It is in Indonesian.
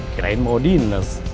kirain mau dinas